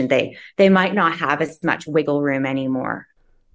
mereka tidak akan memiliki banyak ruang untuk mengunjungi